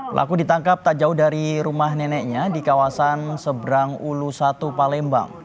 pelaku ditangkap tak jauh dari rumah neneknya di kawasan seberang ulu satu palembang